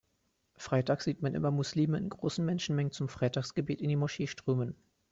Freitags sieht man immer Muslime in großen Menschenmengen zum Freitagsgebet in die Moschee strömen.